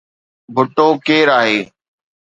ڀٽو ڪير آهي؟